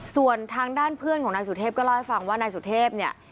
ส่วนทางด้านเพื่อนของนายสุเทพก็เล่าให้ฟังว่านายสุเทพเนี่ย